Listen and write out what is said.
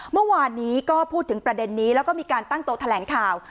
เมื่อวานนี้ก็พูดถึงประเด็นนี้แล้วก็มีการตั้งโต๊ะแถลงข่าว